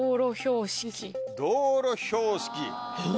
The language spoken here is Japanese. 道路標識